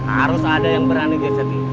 harus ada yang berani jadi seperti itu